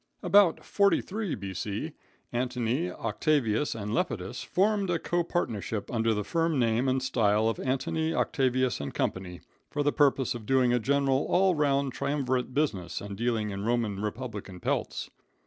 About 43, B.C., Antony, Octavius and Lepidus formed a co partnership under the firm name and style of Antony, Octavius & Co., for the purpose of doing a general, all round triumvirate business and dealing in Roman republican pelts.